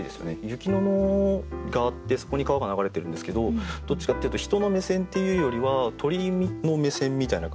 雪の野があってそこに川が流れてるんですけどどっちかっていうと人の目線っていうよりは鳥の目線みたいな感じで。